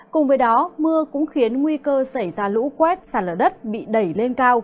cùng với đó mưa cũng khiến nguy cơ xảy ra lũ quét sạt lở đất bị đẩy lên cao